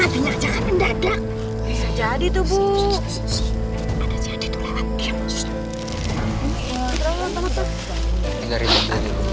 matinya aja kan pendadak